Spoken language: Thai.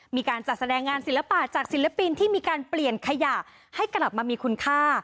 มีการจัดแสดงงานศิลปะจากศิลปินที่มีการเปลี่ยนขยะให้กลับมามีคุณค่า